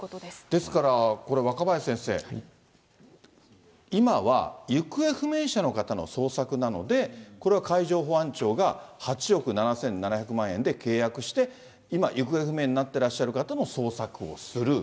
ですからこれ、若林先生、今は行方不明者の方の捜索なので、これは海上保安庁が、８億７７００万円で契約して、今、行方不明になってらっしゃる方の捜索をする。